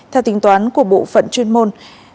theo tính toán của bộ phận chuyên môn